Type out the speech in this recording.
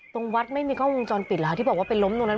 ตรงวัดไม่มีกล้องคงจรฟิตที่บอกว่าไปล้มโน้น